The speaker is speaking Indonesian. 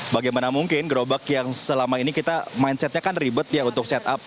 bagaimana mungkin gerobak yang selama ini kita mindsetnya kan ribet ya untuk set up